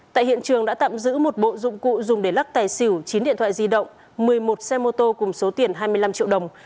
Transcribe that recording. tại hiện trường đã tạm giữ một bộ dụng cụ dùng để lắc tài xỉu chín điện thoại di động một mươi một xe mô tô cùng số tiền hai mươi năm triệu đồng